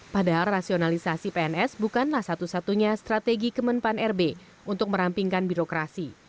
padahal rasionalisasi pns bukanlah satu satunya strategi kemenpan rb untuk merampingkan birokrasi